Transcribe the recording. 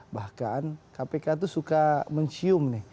bahkan kpk itu suka mencium nih